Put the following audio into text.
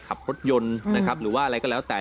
ขับรถยนต์นะครับหรือว่าอะไรก็แล้วแต่